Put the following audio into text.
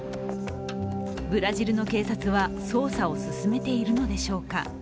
ブラジルの警察は捜査を進めているのでしょうか。